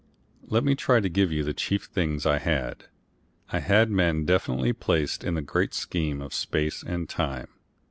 Let me try to give you the chief things I had. I had man definitely placed in the great scheme of space and time.